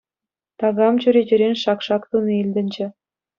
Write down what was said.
Такам чӳречерен шак-шак туни илтӗнчӗ.